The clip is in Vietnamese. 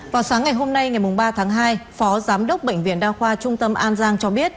vào sáng ngày hôm nay ngày ba tháng hai phó giám đốc bệnh viện đa khoa trung tâm an giang cho biết